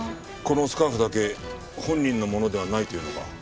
このスカーフだけ本人のものではないというのか？